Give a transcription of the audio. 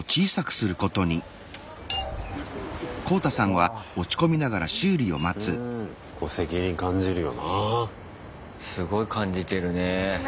すごい感じてるね。